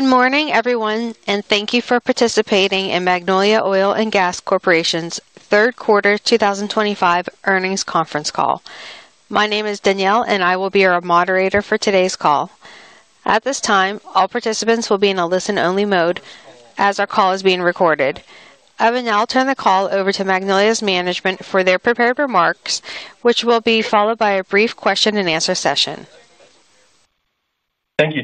Good morning everyone and thank you for participating in Magnolia Oil & Gas Corporation's third quarter 2025 earnings conference call. My name is Danielle and I will be your moderator for today's call. At this time, all participants will be in a listen-only mode as our call is being recorded. I will now turn the call over to Magnolia's management for their prepared remarks, which will be followed by a brief question and answer session. Thank you,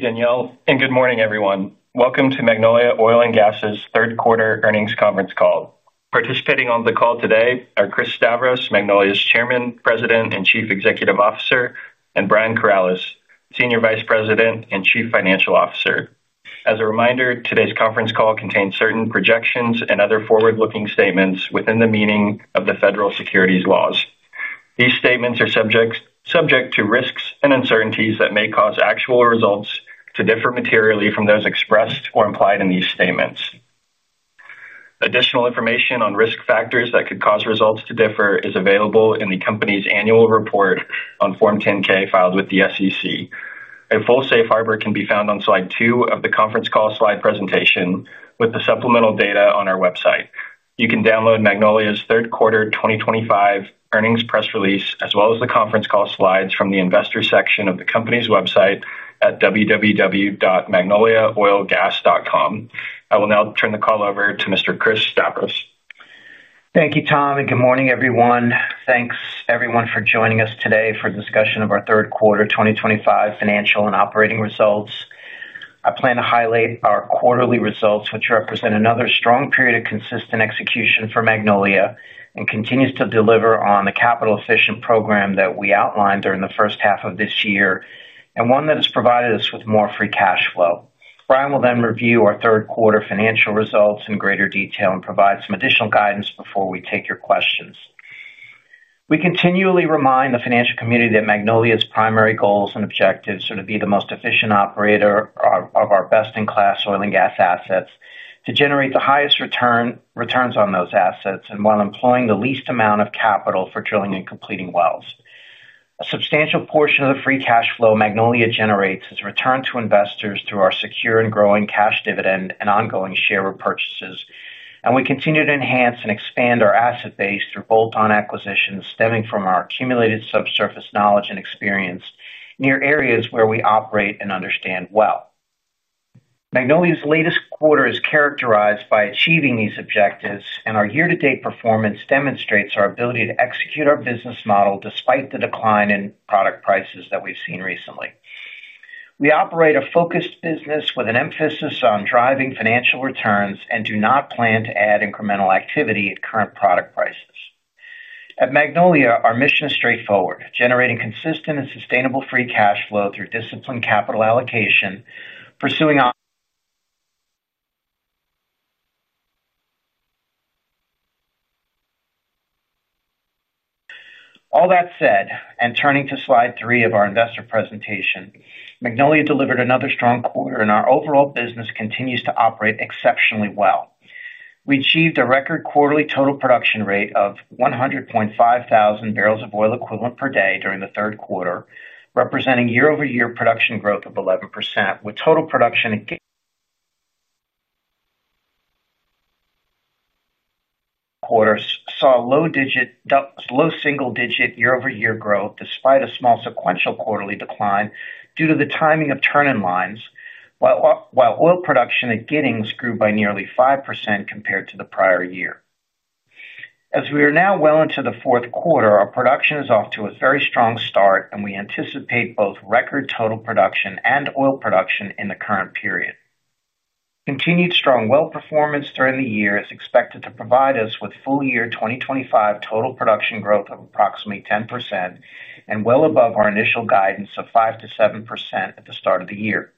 Danielle, and good morning, everyone. Welcome to Magnolia Oil & Gas third quarter earnings conference call. Participating on the call today are Chris Stavros, Magnolia's Chairman, President, and Chief Executive Officer, and Brian Corales, Senior Vice President and Chief Financial Officer. As a reminder, today's conference call contains certain projections and other forward-looking statements within the meaning of the federal securities laws. These statements are subject to risks and uncertainties that may cause actual results to differ materially from those expressed or implied in these statements. Additional information on risk factors that could cause results to differ is available in the Company's Annual Report on Form 10-K filed with the SEC. A full safe harbor can be found on Slide 2 of the conference call slide presentation with the supplemental data on our website. You can download Magnolia's third quarter 2025 earnings press release as well as the conference call slides from the Investor section of the company's website at www.magnoliaoilgas.com. I will now turn the call over to Mr. Chris Stavros. Thank you, Tom, and good morning, everyone. Thanks, everyone, for joining us today for discussion of our third quarter 2025 financial and operating results. I plan to highlight our quarterly results, which represent another strong period of consistent execution for Magnolia and continue to deliver on the capital efficient program that we outlined during the first half of this year, and one that has provided us with more free cash flow. Brian will then review our third quarter financial results in greater detail and provide some additional guidance before we take your questions. We continually remind the financial community that Magnolia's primary goals and objectives are to be the most efficient operator of our best-in-class oil and gas assets, to generate the highest returns on those assets, and while employing the least amount of capital for drilling and completing wells. A substantial portion of the free cash flow Magnolia generates is returned to investors through our secure and growing cash dividend and ongoing share repurchases, and we continue to enhance and expand our asset base through bolt-on acquisitions stemming from our accumulated subsurface knowledge and experience near areas where we operate and understand well. Magnolia's latest quarter is characterized by achieving these objectives, and our year-to-date performance demonstrates our ability to execute our business model despite the decline in product prices that we've seen recently. We operate a focused business with an emphasis on driving financial returns and do not plan to add incremental activity at current product prices. At Magnolia, our mission is straightforward: generating consistent and sustainable free cash flow through disciplined capital allocation, profitability, pursuing opportunities. All. That said and turning to Slide three of our investor presentation, Magnolia delivered another strong quarter and our overall business continues to operate exceptionally well. We achieved a record quarterly total production rate of 100.5 thousand bbl of oil equivalent per day during the third quarter, representing year-over-year production growth of 11% with total production quarters saw low single-digit year-over-year growth despite a small sequential quarterly decline due to the timing of turn in lines, while oil production at Giddings grew by nearly 5% compared to the prior year. As we are now well into the fourth quarter, our production is off to a very strong start and we anticipate both record total production and oil production in the current period. Continued strong well performance during the year is expected to provide us with full-year 2025 total production growth of approximately 10% and well above our initial guidance of 5%-7% at the start of the year.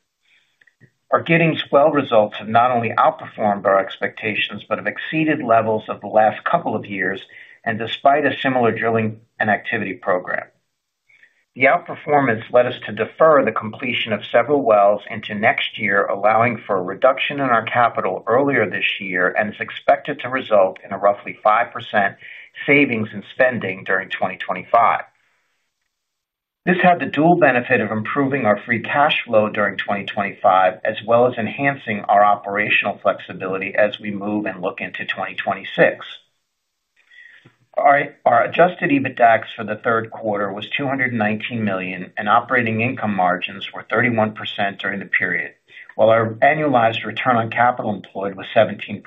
Our Giddings well results have not only outperformed our expectations, but have exceeded levels of the last couple of years and despite a similar drilling and activity program, the outperformance led us to defer the completion of several wells into next year, allowing for a reduction in our capital earlier this year and is expected to result in a roughly 5% savings in spending during 2025. This had the dual benefit of improving our free cash flow during 2025 as well as enhancing our operational flexibility as we move and look into 2026. Our adjusted EBITDAX for the third quarter was $219 million and operating income margins were 31% during the period, while our annualized return on capital employed was 17%.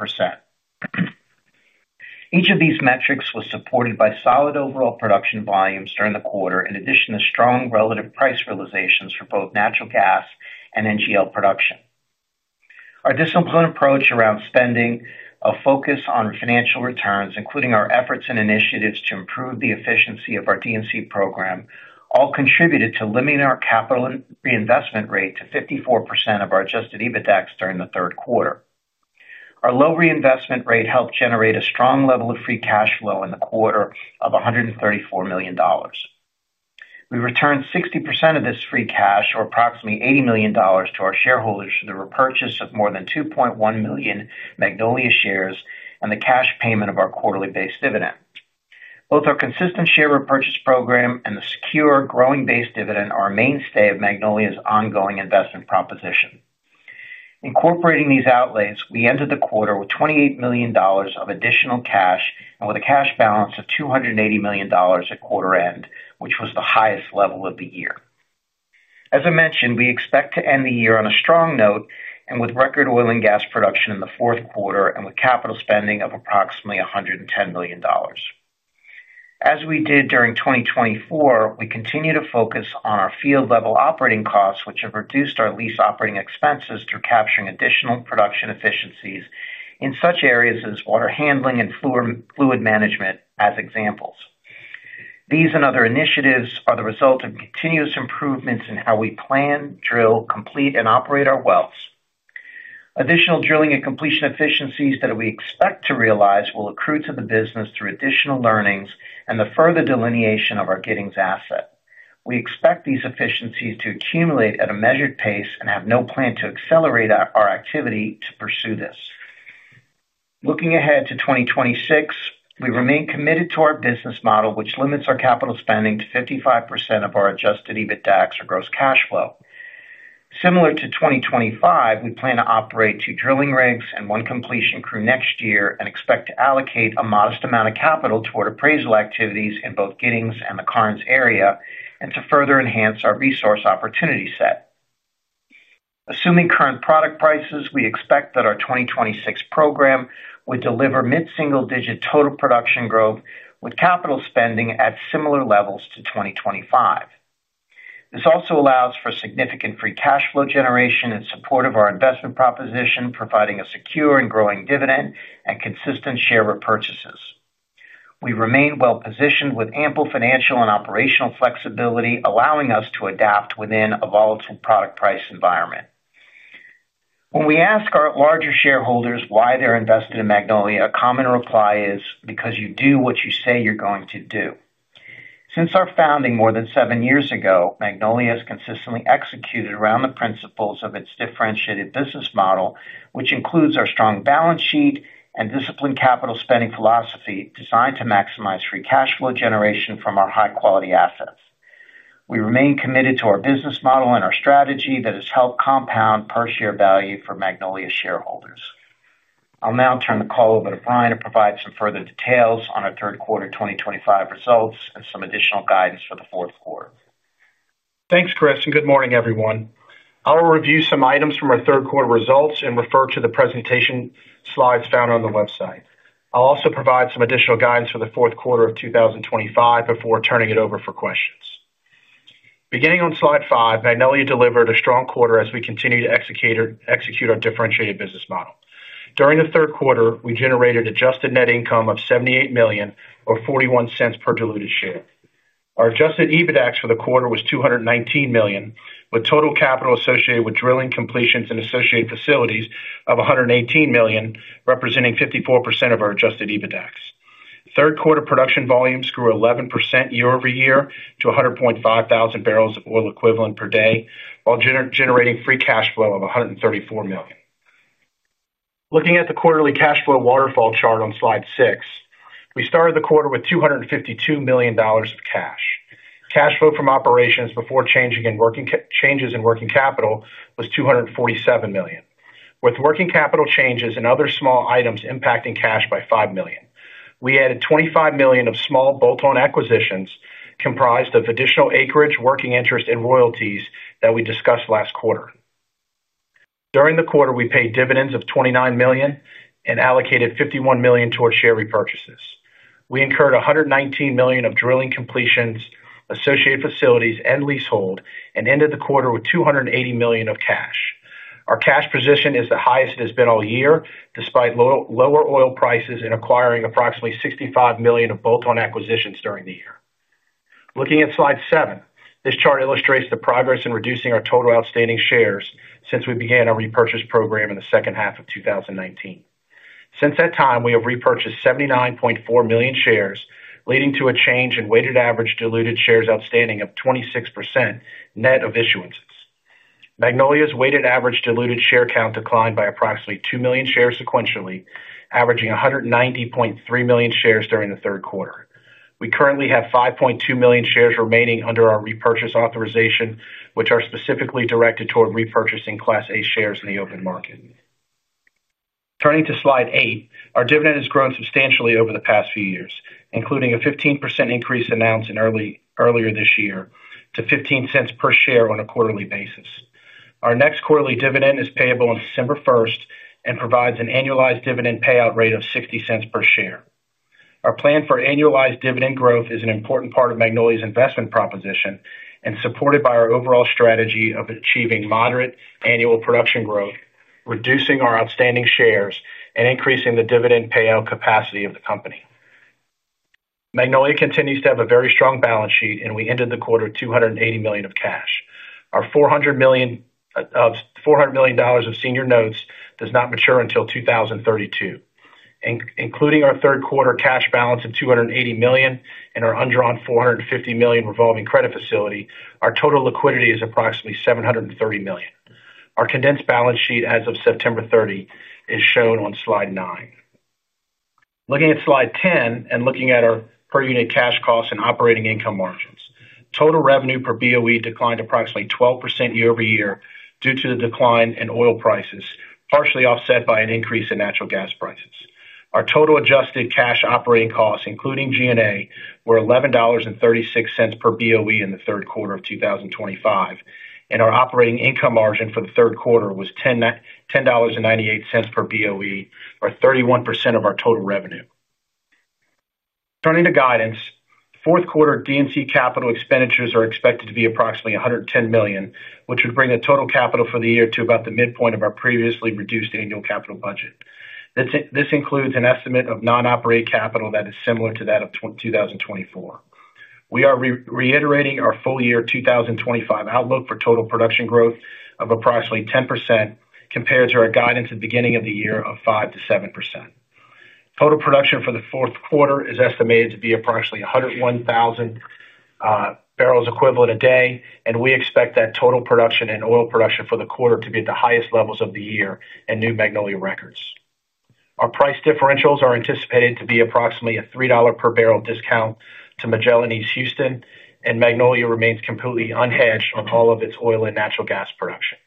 Each of these metrics was supported by solid overall production volumes during the quarter in addition to strong relative price realizations for both natural gas and NGL production. Our disciplined approach around spending, a focus on financial returns, including our efforts and initiatives to improve the efficiency of our DNC program, all contributed to limiting our capital reinvestment rate to 54% of our adjusted EBITDAX during the third quarter. Our low reinvestment rate helped generate a strong level of free cash flow in the quarter of $134 million. We returned 60% of this free cash, or approximately $80 million, to our shareholders through the repurchase of more than 2.1 million Magnolia shares and the cash payment of our quarterly base dividend. Both our consistent share repurchase program and the secure, growing base dividend are a mainstay of Magnolia's ongoing investment proposition. Incorporating these outlays, we ended the quarter with $28 million of additional cash and with a cash balance of $280 million at quarter end, which was the highest level of the year. As I mentioned, we expect to end the year on a strong note and with record oil and gas production in the fourth quarter and with capital spending of approximately $110 million. As we did during 2024, we continue to focus on our field level operating costs, which have reduced our lease operating expenses through capturing additional production efficiencies in such areas as water handling and fluid management as examples. These and other initiatives are the result of continuous improvements in how we plan, drill, complete, and operate our wells. Additional drilling and completion efficiencies that we expect to realize will accrue to the business through additional learnings and the further delineation of our Giddings asset. We expect these efficiencies to accumulate at a measured pace and have no plan to accelerate our activity to pursue this. Looking ahead to 2026, we remain committed to our business model, which limits our capital spending to 55% of our adjusted EBITDAX or gross cash flow. Similar to 2025, we plan to operate two drilling rigs and one completion crew next year and expect to allocate a modest amount of capital toward appraisal activities in both Giddings and the Karnes area and to further enhance our resource opportunity set. Assuming current product prices, we expect that our 2026 program would deliver mid single digit total production growth with capital spending at similar levels to 2025. This also allows for significant free cash flow generation in support of our investment proposition, providing a secure and growing dividend and consistent share repurchases. We remain well positioned with ample financial and operational flexibility, allowing us to adapt within a volatile product price environment. When we ask our larger shareholders why they're invested in Magnolia, a common reply is because you do what you say you're going to do. Since our founding more than seven years ago, Magnolia has consistently executed around the principles of its differentiated business model, which includes our strong balance sheet and disciplined capital spending philosophy designed to maximize free cash flow generation from our high quality assets. We remain committed to our business model and our strategy that has helped compound per share value for Magnolia shareholders. I'll now turn the call over to Brian to provide some further details on our third quarter 2025 results and some additional guidance for the fourth. Thanks, Chris. Good morning everyone. I will review some items from our third quarter results and refer to the presentation slides found on the website. I'll also provide some additional guidance for the fourth quarter of 2025 before turning it over for questions. Beginning on slide five, Magnolia delivered a strong quarter as we continue to execute our differentiated business model. During the third quarter, we generated adjusted net income of $78 million or $0.41 per diluted share. Our adjusted EBITDAX for the quarter was $219 million, with total capital associated with drilling, completions, and associated facilities of $118 million, representing 54% of our adjusted EBITDAX. Third quarter production volumes grew 11% year over year to 100.5 thousand bbl of oil equivalent per day while generating free cash flow of $134 million. Looking at the quarterly cash flow waterfall chart on slide six, we started the quarter with $252 million of cash. Cash flow from operations before changes in working capital was $247 million, with working capital changes and other small items impacting cash by $5 million. We added $25 million of small bolt-on acquisitions comprised of additional acreage, working interest, and royalties that we discussed last quarter. During the quarter, we paid dividends of $29 million and allocated $51 million towards share repurchases. We incurred $119 million of drilling, completions, associated facilities, and leasehold and ended the quarter with $280 million of cash. Our cash position is the highest it has been all year despite lower oil prices and acquiring approximately $65 million of bolt-on acquisitions during the year. Looking at slide seven, this chart illustrates the progress in reducing our total outstanding shares since we began our repurchase program in the second half of 2019. Since that time, we have repurchased 79.4 million shares, leading to a change in weighted average diluted shares outstanding of 26% net of issuances. Magnolia's weighted average diluted share count declined by approximately 2 million shares, sequentially averaging 190.3 million shares during the third quarter. We currently have 5.2 million shares remaining under our repurchase authorization, which are specifically directed toward repurchasing Class A shares in the open market. Turning to slide eight, our dividend has grown substantially over the past few years, including a 15% increase announced earlier this year to $0.15 per share on a quarterly basis. Our next quarterly dividend is payable on December 1st and provides an annualized dividend payout rate of $0.60 per share. Our plan for annualized dividend growth is an important part of Magnolia's investment proposition and supported by our overall strategy of achieving moderate annual production growth, reducing our outstanding shares, and increasing the dividend payout capacity of the company. Magnolia continues to have a very strong balance sheet and we ended the quarter with $280 million of cash. Our. $400 million of senior notes does not mature until 2032. Including our third quarter cash balance of $280 million and our undrawn $450 million revolver, our total liquidity is approximately $730 million. Our condensed balance sheet as of September 30 is shown on slide nine. Looking at slide 10 and looking at our per unit cash cost and operating income margins, total revenue per BOE declined approximately 12% year over year due to the decline in oil prices, partially offset by an increase in natural gas prices. Our total adjusted cash operating costs including G&A were $11.36 per BOE in the third quarter of 2025, and our operating income margin for the third quarter was $10.98 per BOE, or 31% of our total revenue. Turning to guidance, fourth quarter D&C capital expenditures are expected to be approximately $110 million, which would bring the total capital for the year to about the midpoint of our previously reduced annual capital budget. This includes an estimate of non-operated capital that is similar to that of 2024. We are reiterating our full year 2025 outlook for total production growth of approximately 10% compared to our guidance at the beginning of the year of 5%-7%. Total production for the fourth quarter is estimated to be approximately 101,000 barrels equivalent a day, and we expect that total production and oil production for the quarter to be at the highest levels of the year and new Magnolia records. Our price differentials are anticipated to be approximately a $3 per bbl discount to Magellan East Houston, and Magnolia remains completely unhedged on all of its oil and natural gas production.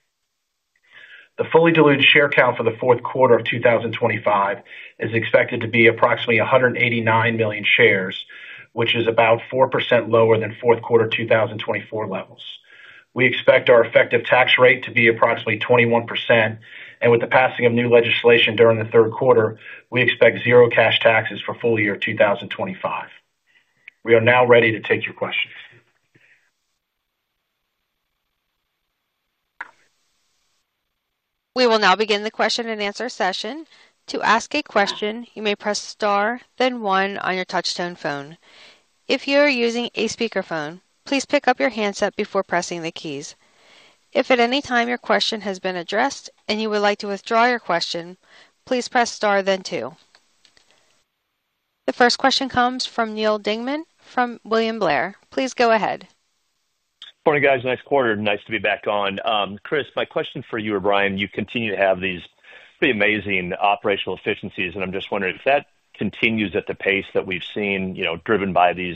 The fully diluted share count for the fourth quarter of 2025 is expected to be approximately 189 million shares, which is about 4% lower than fourth quarter 2024 levels. We expect our effective tax rate to be approximately 21%, and with the passing of new legislation during the third quarter, we expect zero cash taxes for full year 2025. We are now ready to take your questions. We will now begin the question and answer session. To ask a question, you may press star then one on your touchtone phone. If you are using a speakerphone, please pick up your handset before pressing the keys. If at any time your question has been addressed and you would like to withdraw your question, please press star then two. The first question comes from Neil Dingman from William Blair. Please go ahead. Morning, guys. Nice quarter. Nice to be back on. Chris. My question for you, Brian. You continue to have these pretty amazing operational efficiencies, and I'm just wondering if that continues at the pace that we've seen, driven by these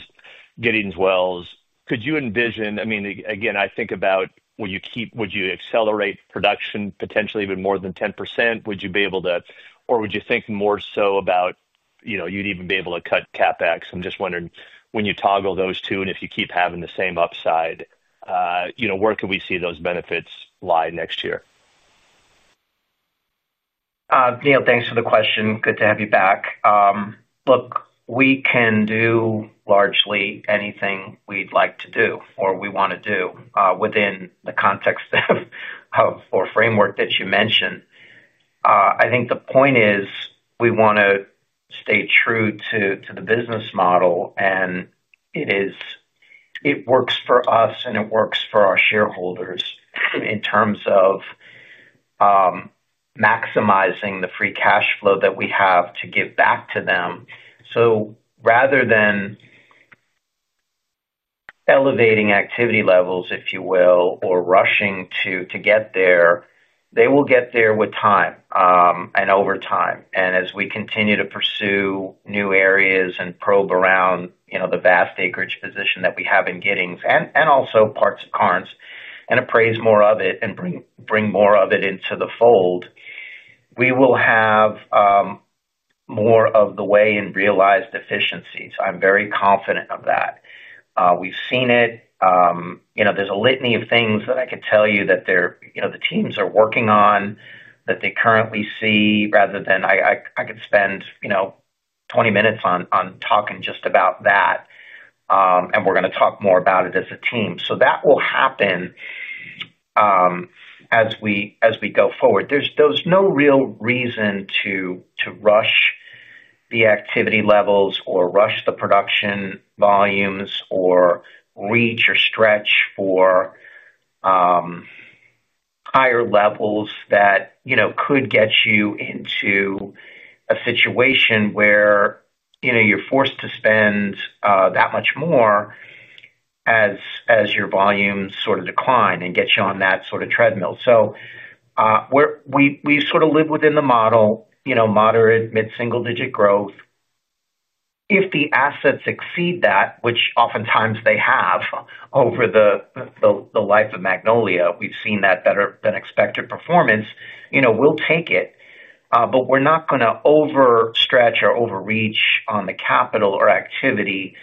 Giddings wells, could you envision, I mean, again, I think about would you accelerate production potentially even more than 10%, would you be able to, or would you think more so about, you know, you'd even be able to cut CapEx. I'm just wondering when you toggle those two and if you keep having the same upside, you know, where can we see those benefits lie next year? Neil, thanks for the question. Good to have you back. Look, we can do largely anything we'd like to do or we want to do within the context or framework that you mentioned. I think the point is we want to stay true to the business model. It works for us and it works for our shareholders in terms of maximizing the free cash flow that we have to give back to them. Rather than elevating activity levels, if you will, or rushing to get there, they will get there with time and over time. As we continue to pursue new areas and probe around the vast acreage position that we have in Giddings and also parts of Karnes and appraise more of it and bring more of it into the fold, we will have more of the way in realized efficiencies. I'm very confident of that. We've seen it. There's a litany of things that I could tell you that the teams are working on that they currently see. I could spend 20 minutes on talking just about that. We're going to talk more about it as a team. That will happen as we go forward. There's no real reason to rush the activity levels or rush the production volumes or reach or stretch for higher levels that could get you into a situation where you're forced to spend that much more as your volumes sort of decline and get you on that sort of treadmill. We sort of live within the model, moderate mid single digit growth if the assets exceed that which oftentimes they have. Over the life of Magnolia, we've seen that better than expected performance. We'll take it, but we're not going to overstretch or overreach on the capital or activity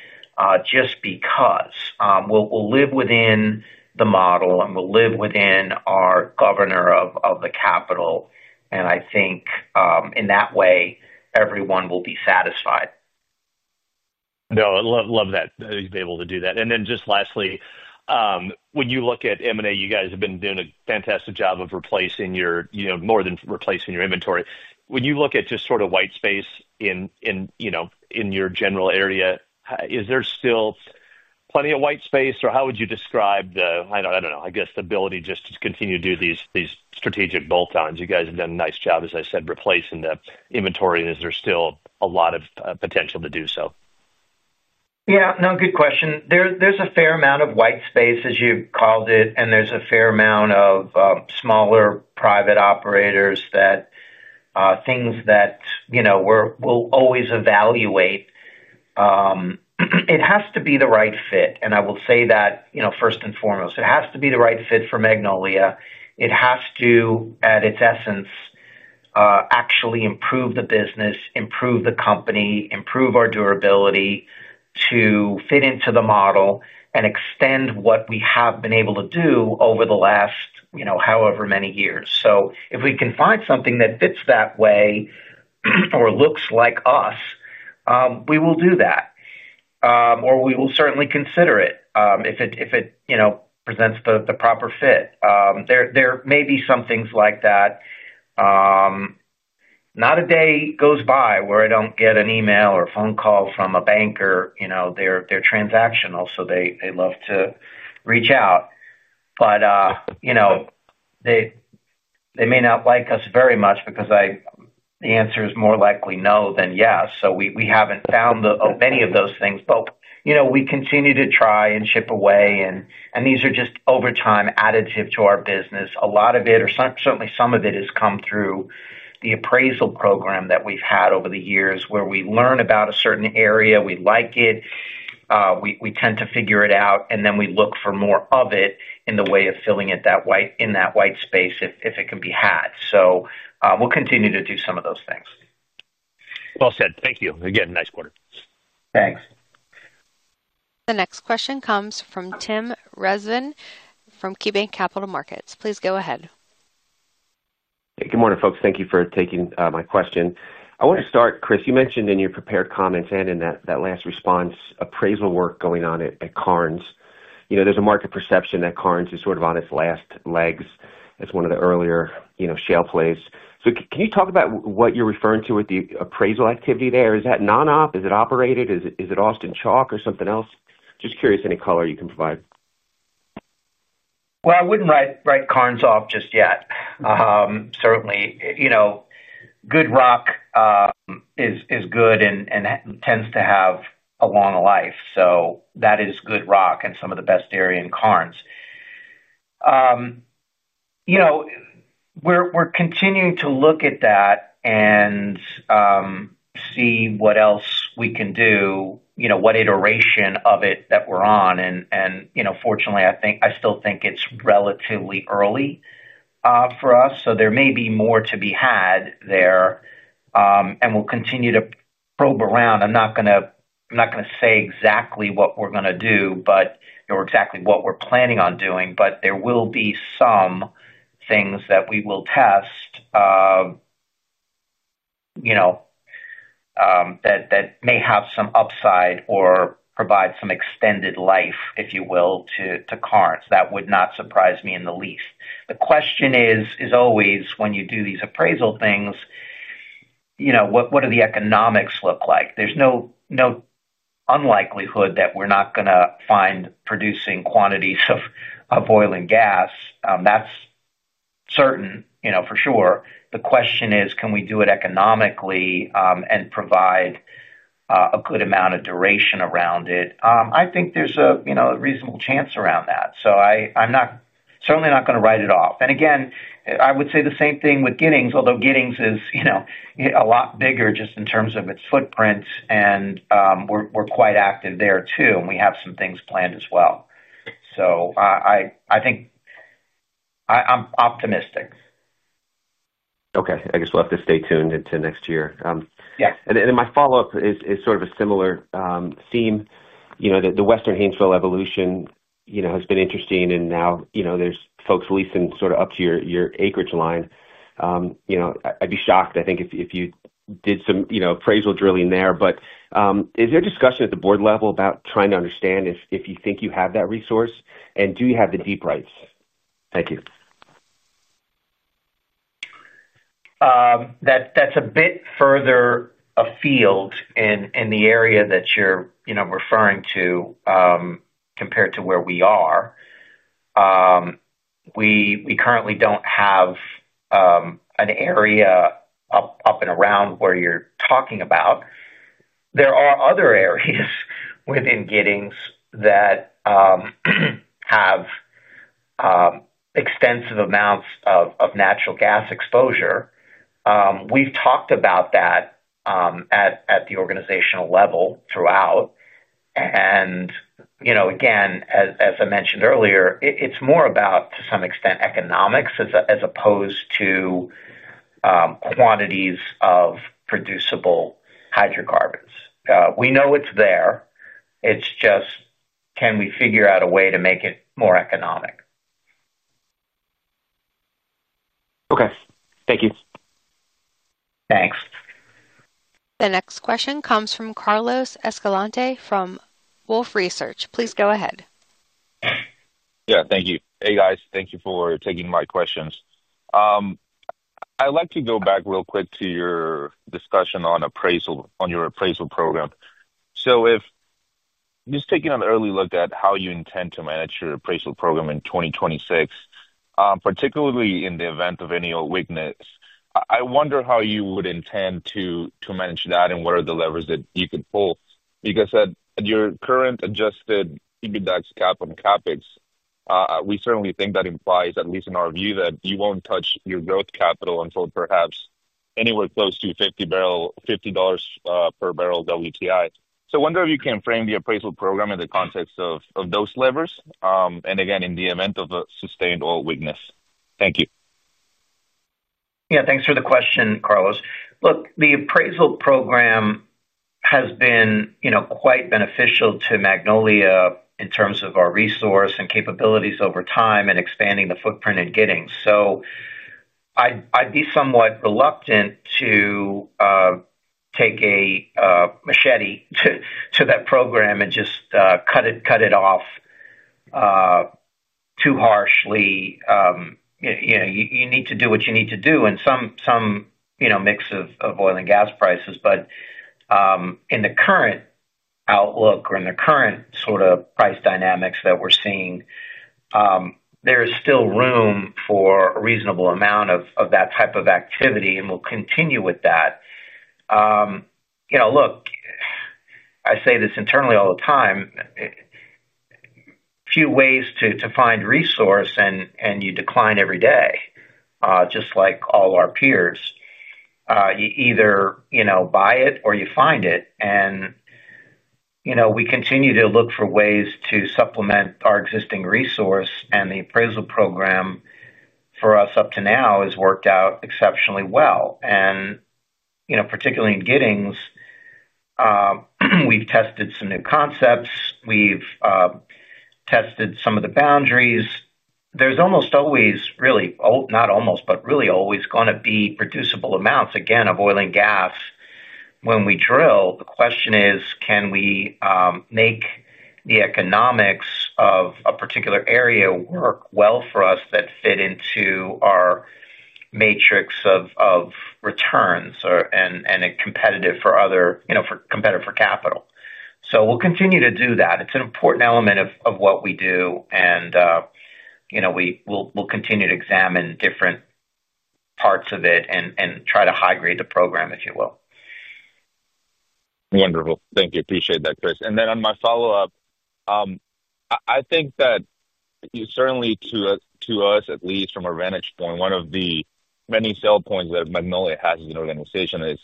just because. We'll live the model and will live within our governor of the capital. I think in that way everyone will be satisfied. No, I love that you'll be able to do that. Lastly, when you look at M&A, you guys have been doing a fantastic job of replacing your, you know, more than replacing your inventory. When you look at just sort of white space in your general area, is there still plenty of white space, or how would you describe the, I don't know, I guess the ability just to continue to do these strategic bolt-on acquisitions? You guys have done a nice job, as I said, replacing the inventory. Is there still a lot of potential to do so? Yeah, no. Good question. There's a fair amount of white space, as you called it, and there's a fair amount of smaller private operators, things that, you know, we'll always evaluate. It has to be the right fit. I will say that, you know, first and foremost, it has to be the right fit for Magnolia. It has to, at its essence, actually improve the business, improve the company, improve our durability to fit into the model and extend what we have been able to do over the last, you know, however many years. If we can find something that fits that way or looks like us, we will do that or we will certainly consider it if it, you know, presents the proper fit. There may be some things like that. Not a day goes by where I don't get an email or phone call from a banker. They're transactional, so they love to reach out, but they may not like us very much because the answer is more likely no than yes. We haven't found many of those things, but we continue to try and chip away and these are just over time, additive to our business. A lot of it, or certainly some of it, has come through the appraisal program that we've had over the years where we learn about a certain area, we like it, we tend to figure it out and then we look for more of it in the way of filling in that white space, if it can be had. We'll continue to do some of those things. Thank you again. Nice quarter. Thanks. The next question comes from Tim Rezvan from KeyBanc Capital Markets. Please go ahead. Good morning, folks. Thank you for taking my question. I want to start. Chris, you mentioned in your prepared comments and in that last response, appraisal work going on at Karnes. You know, there's a market perception that Karnes is sort of on its last legs as one of the earlier, you know, shale plays. Can you talk about what you're. Referring to the appraisal activity there, is that non-op? Is it operated? Is it Austin Chalk or something else? Just curious. Any color you can provide? I would not write Karnes off just yet. Certainly, good rock is good and tends to have a long life. That is good rock and some of the best acreage in Karnes. We're continuing to look at that and see what else we can do, what iteration of it that we're on. Fortunately, I still think it's relatively early for us, so there may be more to be had there and we'll continue to probe around. I'm not going to say exactly what we're going to do or exactly what we're planning on doing, but there will be some things that we will test that may have some upside or provide some extended life, if you will, to Karnes. That would not surprise me in the least. The question is always, when you do these appraisal things, what do the economics look like? There's no unlikelihood that we're not going to find producing quantities of oil and gas. That's certain for sure. The question is, can we do it economically and provide a good amount of duration around it? I think there's a reasonable chance around that. I'm certainly not going to write it off. I would say the same thing with Giddings, although Giddings is a lot bigger just in terms of its footprint, and we're quite active there too, and we have some things planned as well. I think I'm optimistic. Okay. I guess we'll have to stay tuned into next year. Yeah, My follow up is sort of a similar theme. You know, the Western Haynesville evolution has been interesting and now there's folks leasing sort of up to your acreage line. I'd be shocked, I think, if you did some appraisal drilling there. Is there discussion at the board level about trying to understand if you think you have that resource and do. You have the deep rights? Thank you. That's a bit further afield in the area that you're referring to compared to where we are. We currently don't have an area up and around where you're talking about. There are other areas within Giddings that have extensive amounts of natural gas exposure. We've talked about that at the organizational level throughout. As I mentioned earlier, it's more about, to some extent, economics as opposed to quantities of producible hydrocarbons. We know it's there. It's just, can we figure out a way to make it more economic? Okay, thank you. Thanks. The next question comes from Carlos Escalante from Wolfe Research. Please go ahead. Yeah, thank you. Hey, guys, thank you for taking my questions. I'd like to go back real quick to your discussion on your appraisal program. If just taking an early look at how you intend to manage your appraisal program in 2026, particularly in the event of any weakness, I wonder how you would intend to manage that and what are the levers that you could pull because at your current adjusted EBITDAX cap on CapEx, we certainly think that implies, at least in our view, that you won't touch your growth capital until perhaps anywhere close to $50 per bbl WTI. I wonder if you can frame the appraisal program in the context of those levers and, again, in the event of a sustained oil weakness. Thank you. Yeah, thanks for the question, Carlos. The appraisal program has been quite beneficial to Magnolia in terms of our resource and capabilities over time and expanding the footprint in Giddings. I'd be somewhat reluctant to take a machete to that program and just. Cut it off. Too harshly. You need to do what you need to do and some mix of oil and gas prices. In the current outlook or in the current sort of price dynamics that we're seeing, there is still room for a reasonable amount of that type of activity and we'll continue with that. Look, I say this internally all the time. Few ways to find resource and you decline every day, just like all our peers. You either buy it or you find it. We continue to look for ways to supplement our existing resource. The appraisal program for us up to now has worked out exceptionally well. You know, particularly in Giddings, we've tested some new concepts, we've tested some of the boundaries. There's almost always, really not almost, but really always going to be reducible amounts again of oil and gas when we drill. The question is, can we make the economics of a particular area work well for us that fit into our matrix of returns and are competitive for capital. We will continue to do that. It's an important element of what we do and you know, we will continue to examine different parts of it and try to high grade the program if you will. Wonderful, thank you. Appreciate that, Chris. On my follow-up, I think that certainly to us, at least from a vantage point, one of the many sell points that Magnolia has as an organization is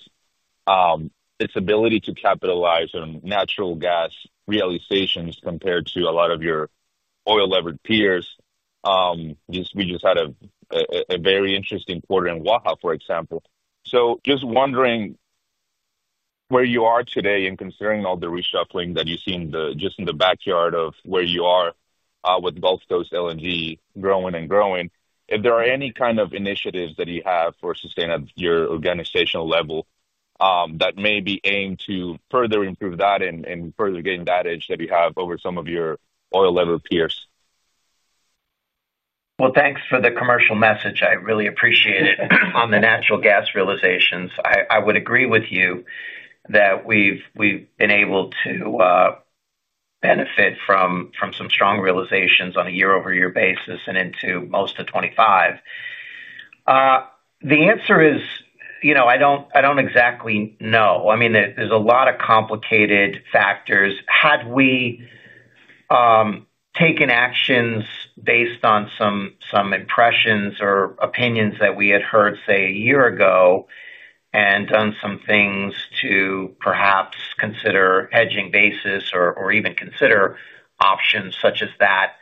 its ability to capitalize on natural gas realizations compared to a lot of your oil-levered peers. We just had a very interesting quarter in Waha, for example. I am just wondering where you are today, and considering all the reshuffling that you see just in the backyard of where you are with Gulf Coast LNG growing and growing, if there are any kind of initiatives that you have for sustain at your organizational level that may be aimed to further improve that and further gain that edge that you have over some of your oil-levered peers. Thanks for the commercial message. I really appreciate it. On the natural gas realizations, I would agree with you that we've been able to benefit from some strong realizations on a year over year basis and into most of 2025. The answer is, you know, I don't exactly know. I mean there's a lot of complicated factors. Had we taken actions based on some impressions or opinions that we had heard say a year ago and done some things to perhaps consider hedging basis or even consider options such as that,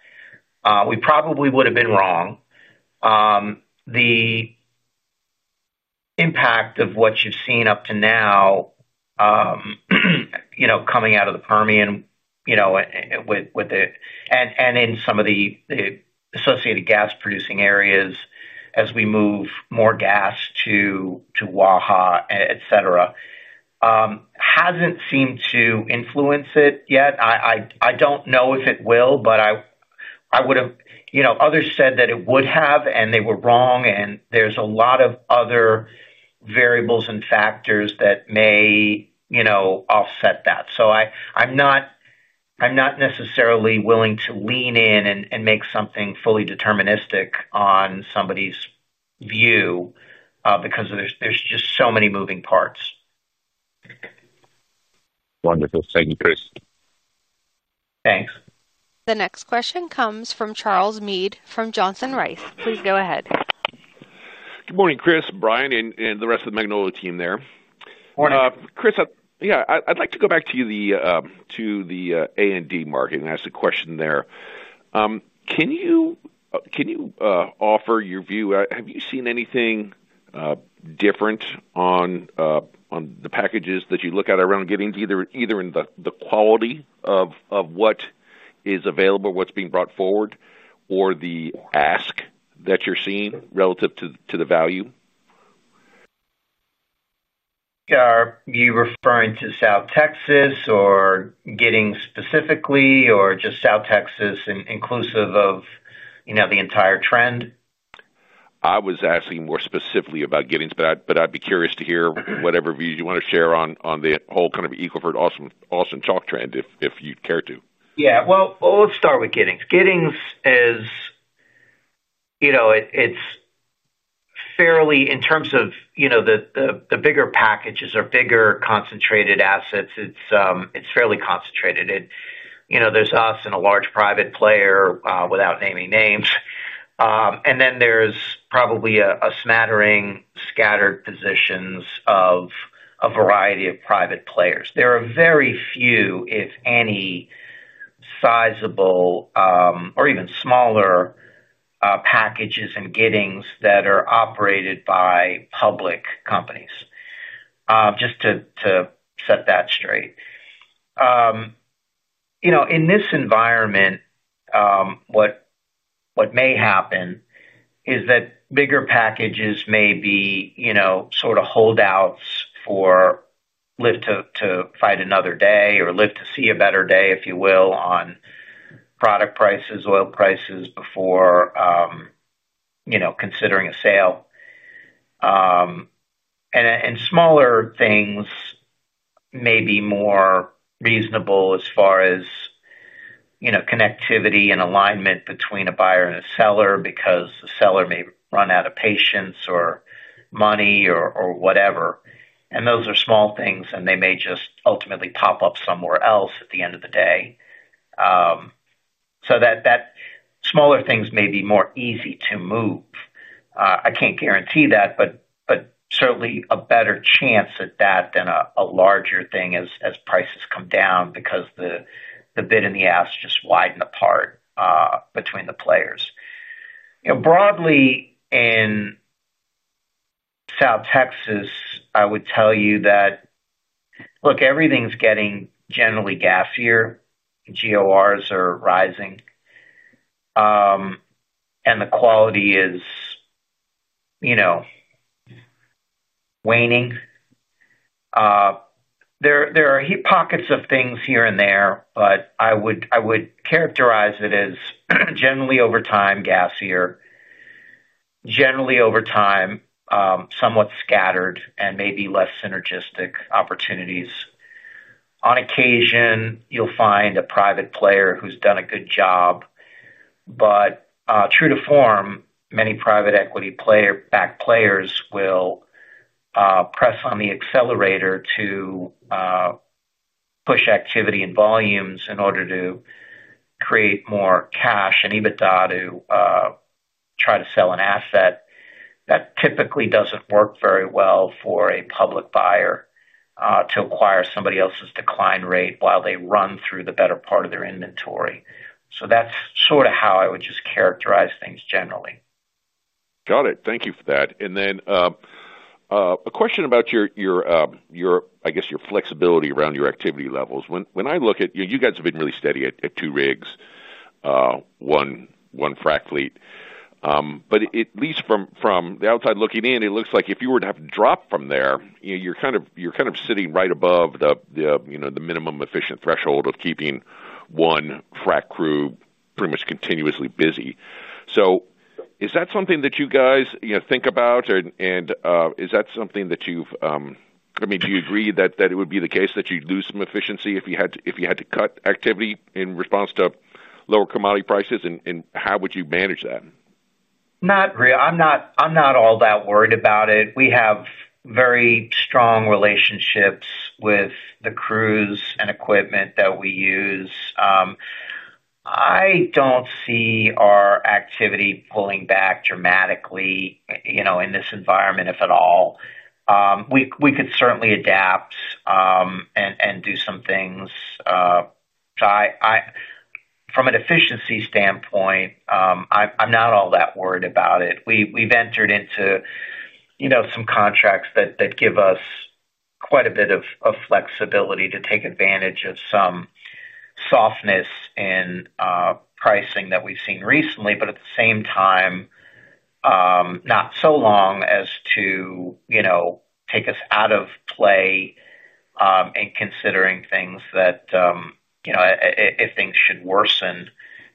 we probably would have been wrong. The impact of what you've seen up to now, coming out of the Permian, with it and in some of the associated gas producing areas as we move more gas to Waha, et cetera, hasn't seemed to influence it yet. I don't know if it will, but I would have, you know, others said that it would have and they were wrong and there's a lot of other variables and factors that may offset that. I'm not necessarily willing to lean in and make something fully deterministic on somebody's view because there's just so many moving parts. Wonderful. Thank you, Chris. Thanks. The next question comes from Charles Meade from Johnson Rice. Please go ahead. Good morning, Chris, Brian, and the rest of the Magnolia team there. Chris, I'd like to go back to the A&D market and ask a question there. Can you offer your view? Have you seen anything different on the packages that you look at around getting either in the quality of what is available, what's being brought forward, or the ask that you're seeing relative to the value? Are you referring to South Texas specifically or just South Texas inclusive of the entire trend? I was asking more specifically about Giddings, but I'd be curious to hear whatever views you want to share on the whole kind of Eagle Ford, Austin Chalk trend if you'd care to. Yeah, let's start with Giddings. Giddings is, in terms of the bigger packages or bigger concentrated assets, fairly concentrated. There's us and a large private player without naming names, and then there's probably a smattering, scattered positions of a variety of private players. There are very few, if any, sizable or even smaller packages in Giddings that are operated by public companies. Just to set that straight, in this environment what may happen is that bigger packages may be holdouts for live to fight another day or live to see a better day, if you will, on product prices, oil prices before considering a sale, and smaller things may be more reasonable as far as connectivity and alignment between a buyer and a seller because the seller may run out of patience or money or whatever, and those are small things and they may just ultimately pop up somewhere else at the end of the day. That smaller things may be more easy to move. I can't guarantee that, but certainly a better chance at that than a larger thing as prices come down because the bid and the ask just widen apart between the players, broadly. In South Texas, I would tell you that everything's getting generally gassier, GORs are rising, and the quality is waning. There are heat pockets of things here and there. I would characterize it as generally over time, gassier, generally over time, somewhat scattered and maybe less synergistic opportunities. On occasion you'll find a private player who's done a good job. True to form, many private equity-backed players will press on the accelerator to push activity and volumes in order to create more cash and EBITDA to try to sell an asset. That typically doesn't work very well for a public buyer to acquire somebody else's decline rate while they run through the better part of their inventory. That's sort of how I would characterize things generally. Got it. Thank you for that. A question about your flexibility around your activity levels. When I look at you guys, you have been really steady at two rigs, one frac fleet. At least from the outside looking in, it looks like if you were to have dropped from there, you're kind of sitting right above the minimum efficient threshold of keeping one frac crew pretty much continuously busy. Is that something that you guys think about, and is that something that you agree would be the case, that you'd lose some efficiency if you had to cut activity in response to lower commodity prices? How would you manage that? I'm not all that worried about it. We have very strong relationships with the crews and equipment that we use. I don't see our activity pulling back dramatically in this environment, if at all. We could certainly adapt and do some things from an efficiency standpoint. I'm not all that worried about it. We've entered into some contracts that give us quite a bit of flexibility to take advantage of some softness in pricing that we've seen recently, but at the same time, not so long as to take us out of play and considering things that, if things should worsen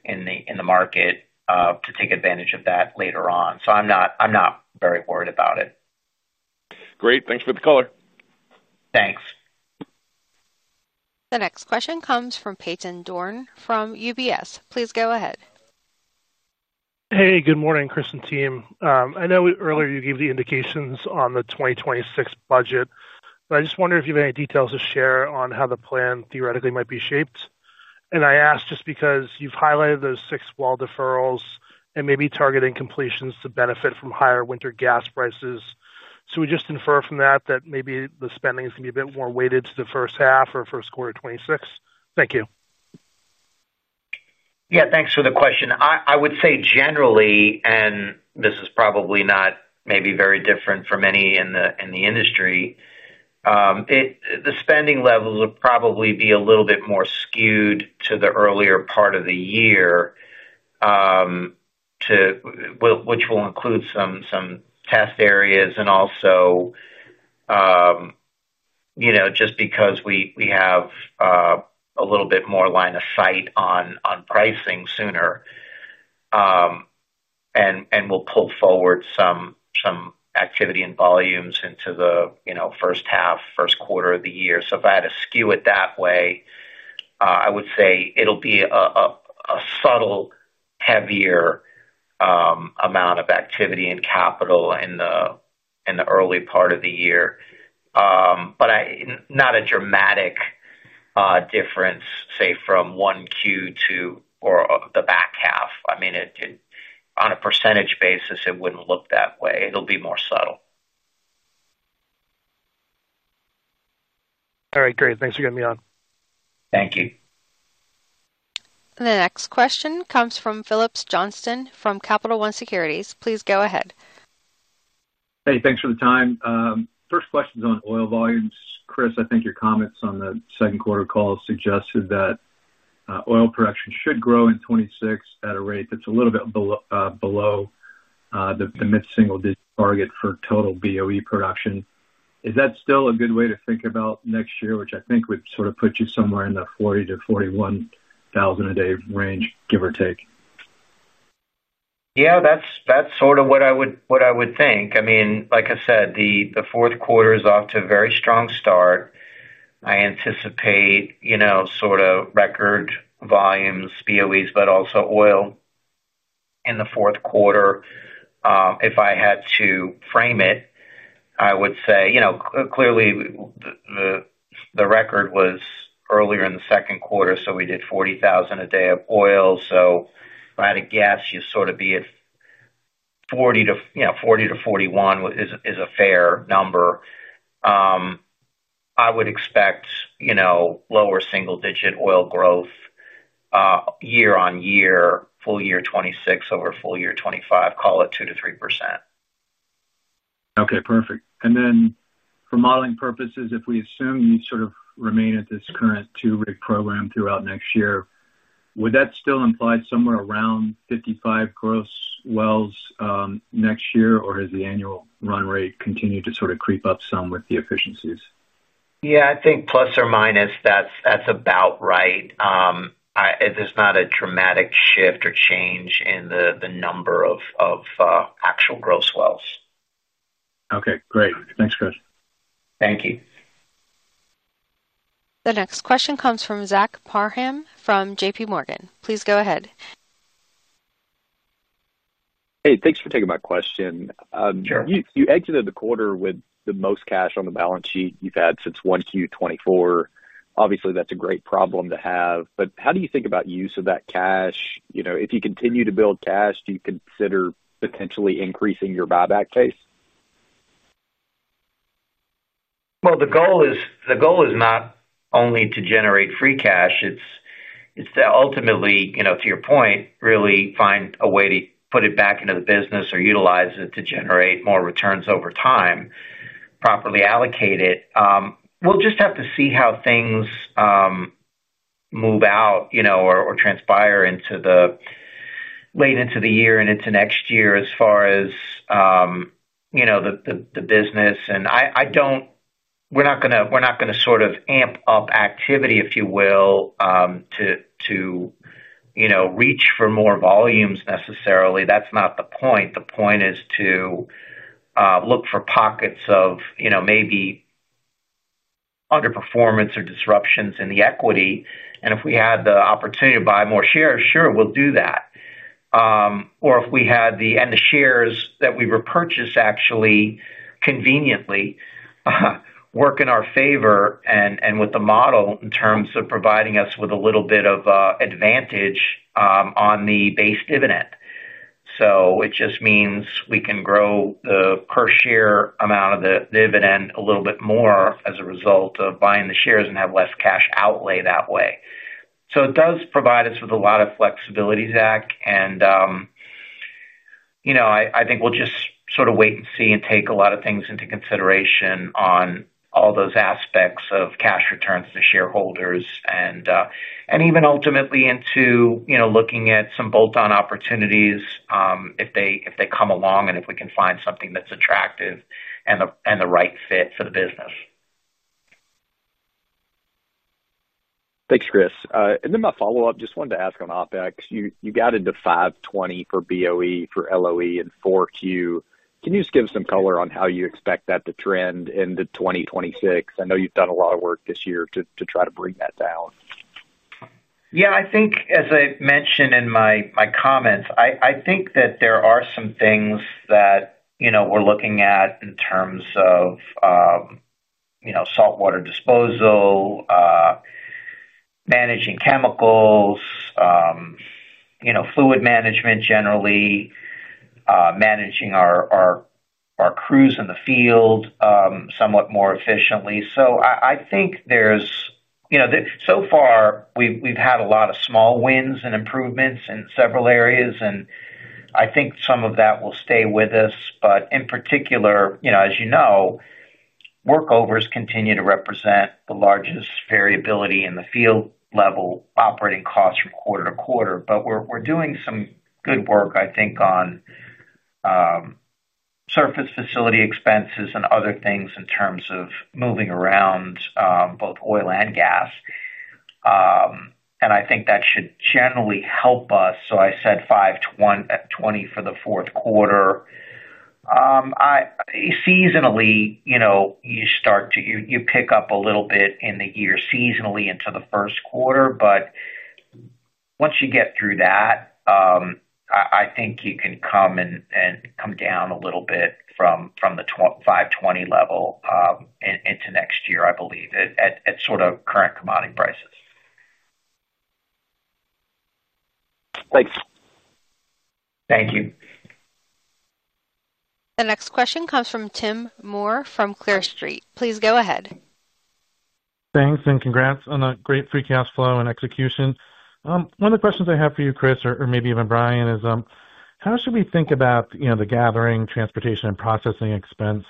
in the market, to take advantage of that later on. I'm not very worried about it. Great. Thanks for the color. Thanks. The next question comes from Peyton Dorne from UBS. Please go ahead. Hey, good morning, Chris and team. I know earlier you gave the indications on the 2026 budget, but I just. Wonder if you have any details too. Share on how the plan theoretically might be shaped. I ask just because you've highlighted those six deferrals and maybe targeting completions to benefit from higher winter gas prices. Should we infer from that that maybe the spending is going to be. A bit more weighted to first half of fiscal 2026. Thank you. Yeah, thanks for the question. I would say generally, and this is probably not maybe very different from any in the industry, the spending levels would probably be a little bit more skewed to the earlier part of the year, which will include some test areas. Also, just because we have a little bit more line of sight on pricing sooner, we'll pull forward some activity and volumes into the first half, first quarter of the year. If I had to skew it that way, I would say it'll be a subtle heavier amount of activity and capital in the early part of the year, but not a dramatic difference. Say from 1Q to the back half. I mean on a percentage basis it wouldn't look that way. It'll be more subtle. All right, great. Thanks for getting me on. Thank you. The next question comes from Phillips Johnston from Capital One Securities. Please go ahead. Hey, thanks for the time. First question is on oil volumes, Chris. I think your comments on the second quarter call suggested that oil production should grow in 2026 at a rate that's a little bit below the mid single digit target for total BOE production. Is that still a good way to think about next year? Which I think would sort of put you somewhere in the 40,000-41,000 a day range, give or take. Yeah, that's sort of what I would think. I mean, like I said, the fourth quarter is off to a very strong start. I anticipate sort of record volumes, BOEs, but also oil in the fourth quarter. If I had to frame it, I would say clearly the record was earlier in the second quarter. We did 40,000 a day of oil. If I had to guess, you'd sort of be at 40,000-41,000 is a fair number. I would expect, you know, lower single digit oil growth year on year, full year 2026 over full year 2025. Call it 2%-3%. Okay, perfect. For modeling purposes, if we assume you sort of remain at this current two rig program throughout next year, would that still imply somewhere around 55 gross wells next year or has the annual run rate continued to sort of creep up some with the efficiencies? Yeah, I think plus or minus, that's about right. There's not a dramatic shift or change in the number of actual gross wells. Okay, great. Thanks, Chris. Thank you. The next question comes from Zach Parham from JPMorgan. Please go ahead. Hey, thanks for taking my question. You exited the quarter with the most cash on the balance sheet you've had since 1Q 2024. Obviously that's a great problem to have, but how do you think about use of that cash? You know, if you continue to build cash, do you continue to consider potentially increasing your buyback case? The goal is not only to generate free cash, it's to ultimately, you know, to your point, really find a way to put it back into the business or utilize it to generate more returns over time, properly allocate it. We'll just have to see how things move out, you know, or transpire into the late into the year and into next year. As far as, you know, the business, we're not going to sort of amp up activity, if you will, to, you know, reach for more volumes necessarily. That's not the point. The point is to look for pockets of, you know, maybe underperformance or disruptions in the equity. If we had the opportunity to buy more shares, sure, we'll do that. The shares that we repurchase actually conveniently work in our favor and with the model in terms of providing us with a little bit of advantage on the base dividend. It just means we can grow the per share amount of the dividend a little bit more as a result of buying the shares and have less cash outlay that way. It does provide us with a lot of flexibility, Zach. I think we'll just sort of wait and see and take a lot of things into consideration on all those aspects of cash returns to shareholders and even ultimately into, you know, looking at some bolt-on opportunities if they come along and if we can find something that's attractive and the right fit for the business. Thanks, Chris. My follow up, just wanted to ask, on OpEx, you got into $5.20 for BOE, for LOE in 4Q. Can you just give us some color on how you expect that to trend into 2026? I know you've done a lot. Work this year to try to bring that down. I think, as I mentioned in my comments, that there are some things that we're looking at in terms of saltwater disposal, managing chemicals, fluid management, generally managing our crews in the field somewhat more efficiently. I think so far we've had a lot of small wins and improvements in several areas and I think some of that will stay with us. In particular, as you know, workovers continue to represent the largest variability in the field level operating costs from quarter to quarter. We're doing some good work on surface facility expenses and other things in terms of moving around both oil and gas. I think that should generally help us. I said $5.20 for the fourth quarter. Seasonally, you pick up a little bit in the year seasonally into the first quarter. Once you get through that, I think you can come down a little bit from the $5.20 level into next year, I believe at sort of current commodity prices. Thanks. Thank you. The next question comes from Tim Moore from Clear Street. Please go ahead. Thanks and congrats on a great free cash flow and execution. One of the questions I have for you, Chris, or maybe even Brian, is how should we think about the gathering, transportation, and processing expense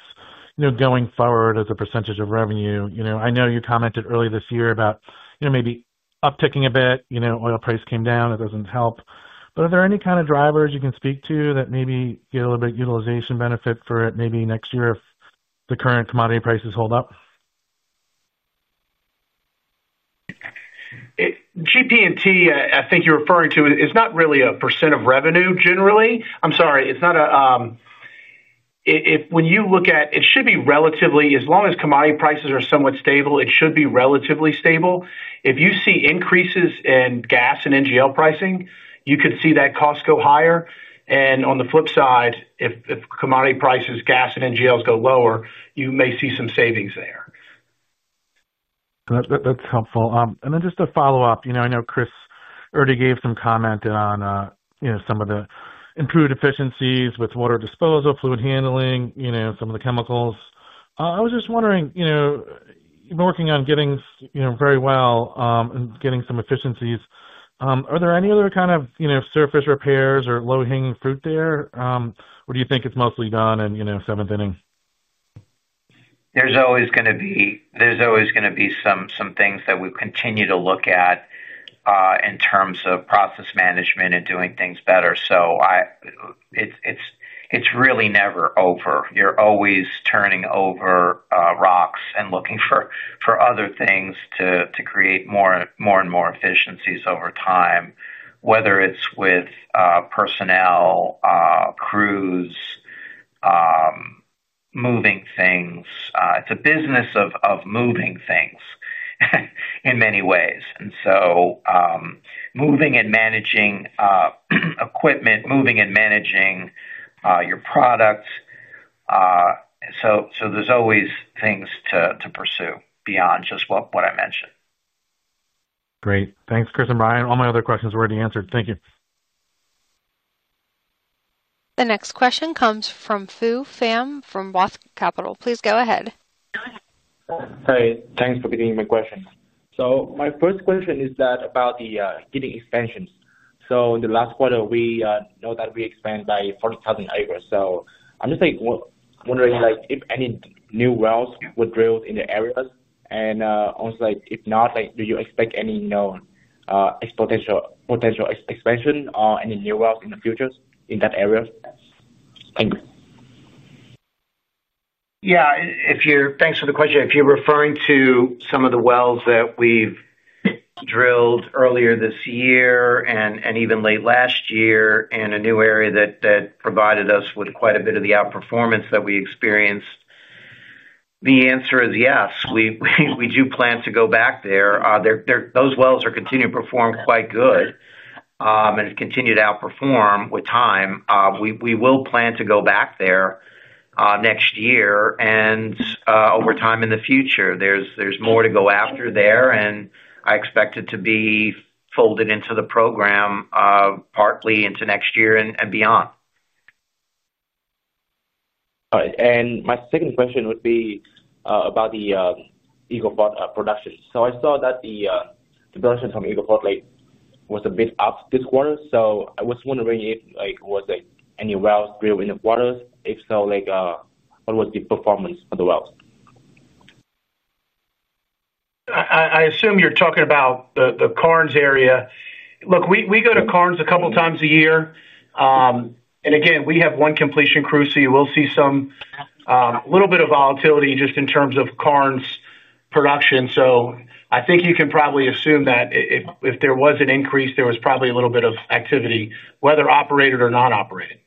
going forward as a percentage of revenue? I know you commented earlier this year about maybe upticking a bit. Oil price came down. It doesn't help, but are there any kind of drivers you can speak to that maybe get a little bit utilization benefit for it maybe next year if the current commodity prices hold up? GP I think you're referring to is not really a % of revenue generally. I'm sorry, it's not a. If when. You look at it, it should be relatively stable. As long as commodity prices are somewhat stable, it should be relatively stable. If you see increases in gas and NGL pricing, you could see that cost go higher. On the flip side, if commodity prices, gas and NGLs go lower, you may see some savings there. That's helpful. Just to follow up, I know Chris already gave some comment on some of the improved efficiencies with water disposal, fluid handling, some of the chemicals. I was just wondering, you've been working on getting very well and getting some efficiencies. Are there any other kind of surface repairs or low hanging fruit there, or do you think it's mostly done and seventh inning? There's always going to be some things that we continue to look at in terms of process management and doing things better. It's really never over. You're always turning over rocks and looking for other things to create more and more efficiencies over time, whether it's with personnel crews moving things. It's a business of moving things in many ways, moving and managing equipment, moving and managing your products. There's always things to pursue beyond just what I mentioned. Great. Thanks, Chris and Brian. All my other questions were already answered. Thank you. The next question comes from Fu Pham from Watts Capital. Please go ahead. Hi, thanks for giving my question. My first question is about the Giddings expansions. In the last quarter we know that we expand by 40,000 acres. I'm just wondering if any new wells were drilled in the area, and also if not, do you expect any known potential expansion or any new wells in the future in that area? Thank you. Yeah, thanks for the question. If you're referring to some of the. Wells that we've drilled earlier this year and even late last year in a new area that provided us with quite a bit of the outperformance that we experienced. The answer is yes, we do plan to go back there. Those wells are continuing to perform quite good and continue to outperform with time. We will plan to go back there next year and over time in the future. There's more to go after there and I expect it to be folded into the program partly into next year and beyond. My second question would be about the Eagle Ford production. I saw that the Eagle Ford was a bit up this quarter. I was wondering if there were any wells drilled in the waters. If so, what was the performance of the wells? I assume you're talking about the Karnes area. Look, we go to Karnes a couple times a year and again we have one completion crew. You will see a little bit of volatility just in terms of Karnes production. I think you can probably assume that if there was an increase, there was probably a little bit of activity, whether operated or non-operated.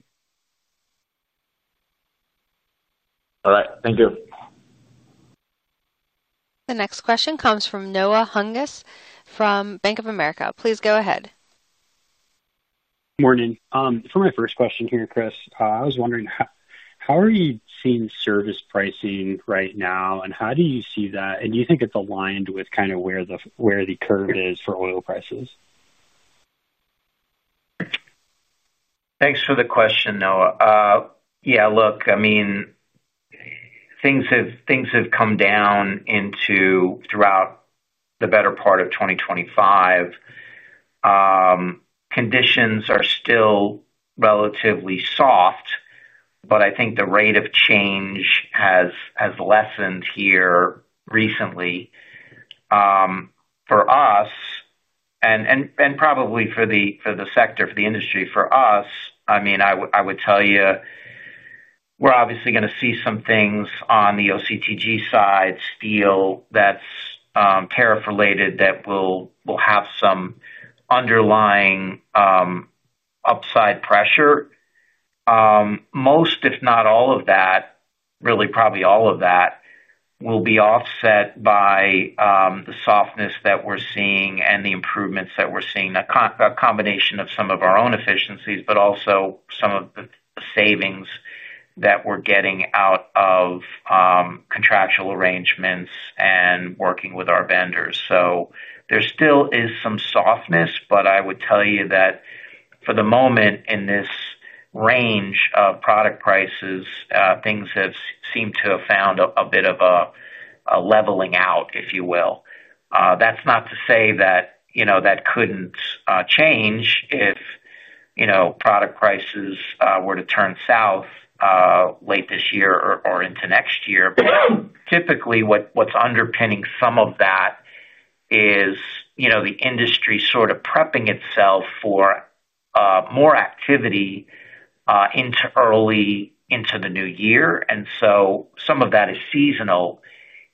All right, thank you. The next question comes from Noah Hungness from Bank of America. Please go ahead. Morning. For my first question here, Chris, I was wondering how are you seeing service pricing right now and how do you see that and do you think it's aligned with kind of where the curve is for oil prices? Thanks for the question, Noah. Yeah, look, I mean things have come down throughout the better part of 2025, conditions are still relatively soft. I think the rate of change has lessened here recently for us and probably for the sector, for the industry, for us. I would tell you we're obviously going to see some things on the OCTG side, steel that's tariff related, that will have some underlying upside pressure. Most if not all of that, really, probably all of that will be offset by the softness that we're seeing and the improvements that we're seeing. A combination of some of our own efficiencies, but also some of the savings that we're getting out of contractual arrangements and working with our vendors. There still is some softness. I would tell you that for the moment in this range of product prices, things have seemed to have found a bit of a leveling out, if you will. That's not to say that couldn't change if product prices were to turn south late this year or into next year. Typically what's underpinning some of that is the industry sort of prepping itself for more activity early into the new year. Some of that is seasonal.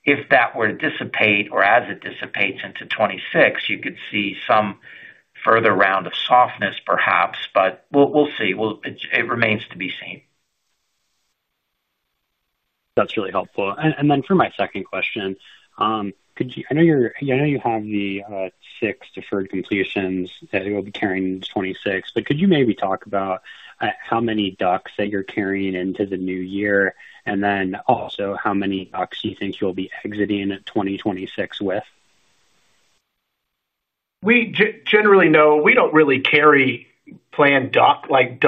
If that were to dissipate or as it dissipates into 2026, you could see some further round of softness perhaps, but we'll see it remains to be seen. That's really helpful. And then for my second question. I. You have the six deferred completions. You'll be carrying 26, but could you maybe talk about how many DUCs that you're carrying into the new year? Also, how many DUCs do you think you'll be exiting 2026 with? We generally know we don't really carry planned DUCs.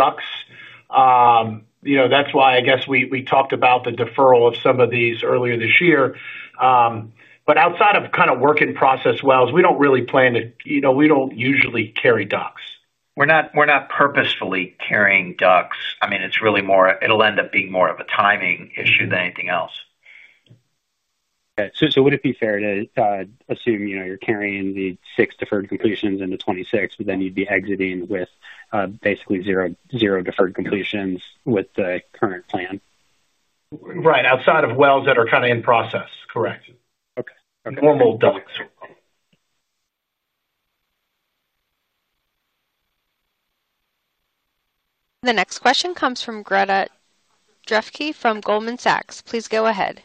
That's why I guess we talked about the deferral of some of these earlier this year. Outside of kind of work in process wells, we don't really plan to, you know, we don't usually carry DUCs. We're not purposefully carrying DUCs. It's really more, it'll end up being more of a timing issue than anything else. Would it be fair to assume you're carrying the six deferred completions into 2026, but then you'd be exiting with basically zero, zero deferred completions with the current plan? Right outside of wells that are in process. Correct. Normal DUCs The next question comes from Greta Drewke from Goldman Sachs. Please go ahead.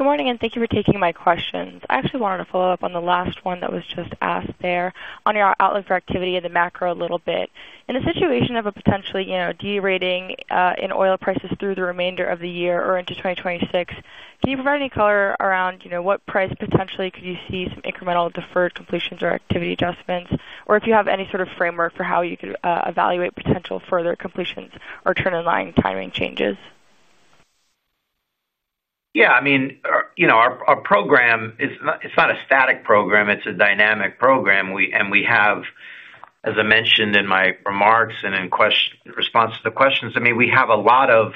Good morning and thank you for taking my questions. I actually wanted to follow up on the last one that was just asked there. On your outlook for activity in the macro a little bit, in the situation of a potentially derating in oil prices through the remainder of the year or into 2026, can you provide any color around what price potentially could you see some incremental deferred completions or activity adjustments, or if you have any sort of framework for how you could evaluate potential further completions or turn in line timing changes. Yeah, I mean our program, it's not a static program, it's a dynamic program. We have, as I mentioned in my remarks and in response to the questions, a lot of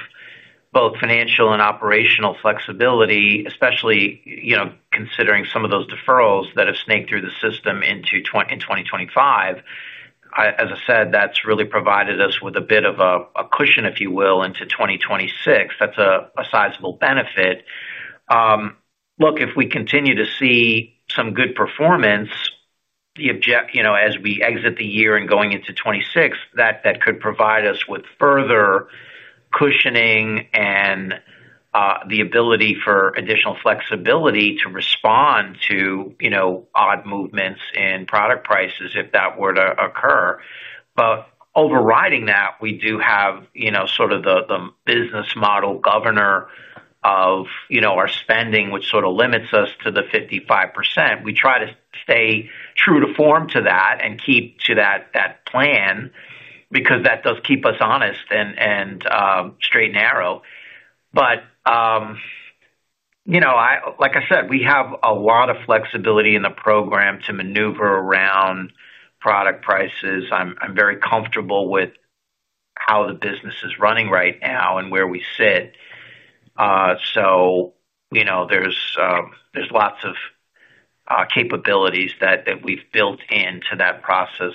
both financial and operational flexibility, especially considering some of those deferrals that have snaked through the system into 2025. As I said, that's really provided us with a bit of a cushion, if you will, into 2026. That's a sizable benefit. If we continue to see some good performance, the object, as we exit the year and going into 2026, that could provide us with further cushioning and the ability for additional flexibility to respond to odd movements in product prices if that were to occur. Overriding that, we do have the business model, governor of our spending, which limits us to the 55%. We try to stay true to form to that and keep to that plan because that does keep us honest and straight narrow. Like I said, we have a lot of flexibility in the program to maneuver around product prices. I'm very comfortable with how the business is running right now and where we sit. There are lots of capabilities that we've built into that process.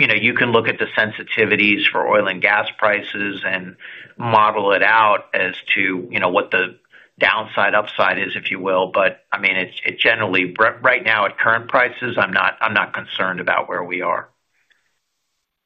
You can look at the sensitivities for oil and gas prices and model it out as to what the downside or upside is, if you will. It's generally right now at current prices. I'm not concerned about where we are.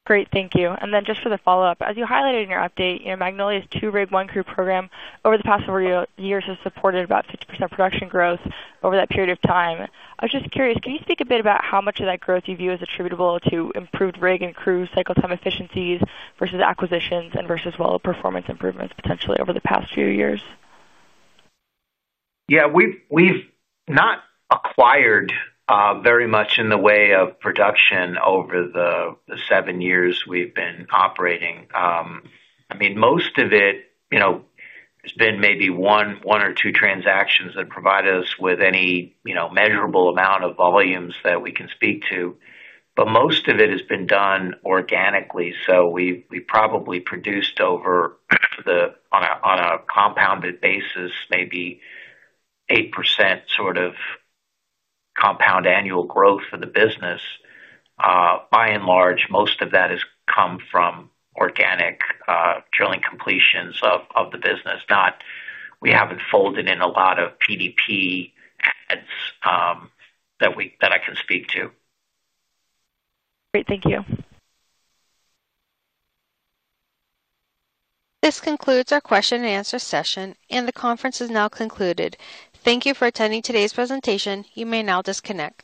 Great, thank you. Just for the follow up, as you highlighted in your update, Magnolia's two rig, one crew program over the past several years has supported about 50% production growth over that period of time. I was just curious, can you speak a bit about how much of that growth you view is attributable to improved rig and crew cycle time efficiencies versus acquisitions and versus, well, performance improvements potentially over the past few years? Yeah, we've not acquired very much in the way of production over the seven years we've been operating. I mean, most of it, you know, there's been maybe one or two transactions that provide us with any measurable amount of volumes that we can speak to. Most of it has been done organically. We probably produced over the, on a compounded basis, maybe 8% sort of compound annual growth for the business. By and large, most of that has come from organic drilling completions of the business. We haven't folded in a lot of PDP ads that I can speak to. Great. Thank you. This concludes our question and answer session, and the conference is now concluded. Thank you for attending today's presentation. You may now disconnect.